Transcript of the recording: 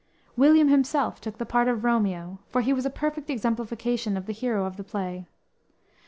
William himself took the part of Romeo, for he was a perfect exemplification of the hero of the play.